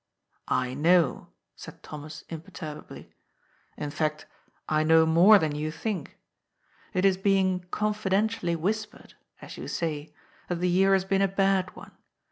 "I know," said Thomas imperturbably. "In fact, I know more than you think. It is being ' confidentially whispered,' as you say, that the year has been a bad one.